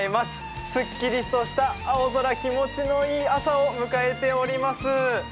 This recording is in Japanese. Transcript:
すっきりとした青空、気持ちのいい朝を迎えております。